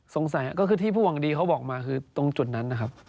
ก็คือที่ผู้หวังดีเขาบอกมาคือตรงจุดนั้นนะครับ